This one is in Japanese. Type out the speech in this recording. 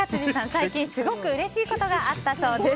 最近すごくうれしいことがあったそうです。